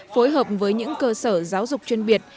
phối hợp với những cơ sở giáo dục chuyên biệt